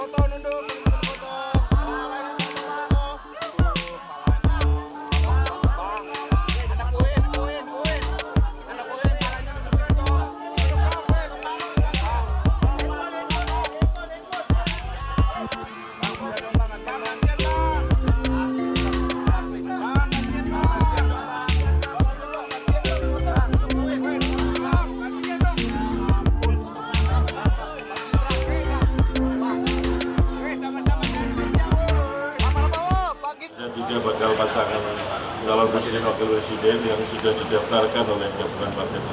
dan juga bakal pasangan calon mesin hotel resident yang sudah dideftarkan oleh kabupaten